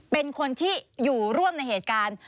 เป็นคนที่อยู่ร่วมในเหตุการณ์